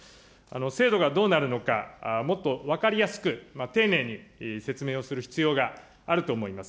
制度がどうなるのか、もっと分かりやすく、丁寧に説明をする必要があると思います。